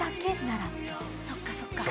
そっかそっか。